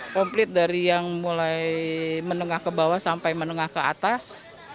komplit dari yang mulai menengah ke bawah sampai menengah ke atas